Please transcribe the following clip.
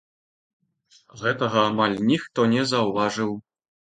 Гэтага амаль ніхто не заўважыў.